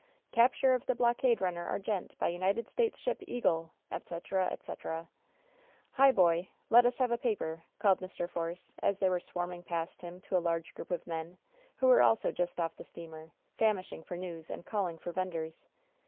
"Capture of the blockade runner Argente by United States ship Eaglet etc., etc. "Hi! Boy! Let us have a paper !^' called Mr. Force, as they were swarming past him to a large group of men who were also just off the steamer, famishing for news and calling for venders.